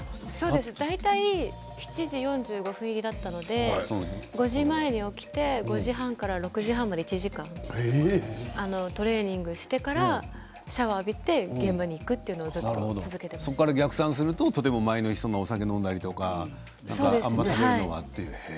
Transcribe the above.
大体７時４５分入りだったので５時前に起きて５時半から６時半まで１時間トレーニングしてからシャワーを浴びて現場に行く逆算すると前の日にお酒を飲んだりとかあまり食べ物はと。